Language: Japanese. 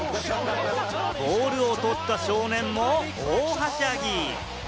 ボールを取った少年も大はしゃぎ！